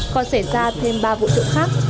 còn xảy ra thêm ba vụ trộm khác